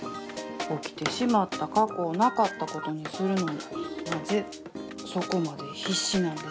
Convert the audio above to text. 起きてしまった過去をなかったことにするのになぜそこまで必死なんでしょう。